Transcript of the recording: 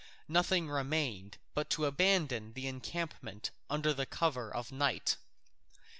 Nothing remained but to abandon the encampment under cover of night.